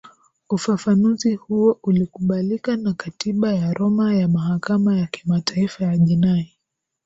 ufafanuzi huo ulikubalika na katiba ya roma ya mahakama ya kimataifa ya jinai